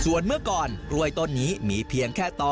ส่วนเมื่อก่อนกล้วยต้นนี้มีเพียงแค่ต่อ